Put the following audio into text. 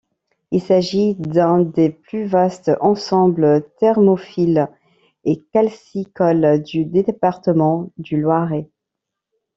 Il s'agit d'un des plus vastes ensembles thermophiles et calcicoles du département du Loiret.